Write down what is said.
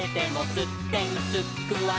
すってんすっく！」